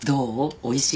おいしい？